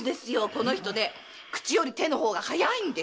この人口より手の方が早いんです。